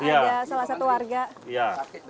ya ini ada salah satu warga